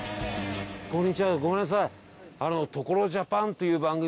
こんにちはごめんなさい。